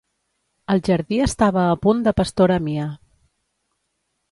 El jardí estava a punt de pastora mia.